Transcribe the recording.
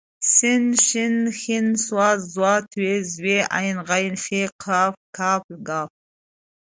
س ش ښ ص ض ط ظ ع غ ف ق ک ګ